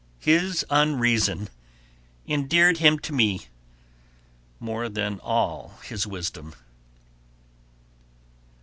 His unreason endeared him to me more than all his wisdom.